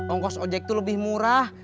ongkos ojek itu lebih murah